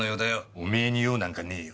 おめえに用なんかねえよ。